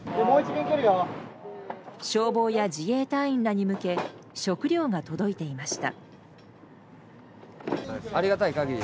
消防や自衛隊員らに向け食料が届いていました。